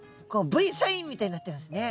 Ｖサインみたいになってますね。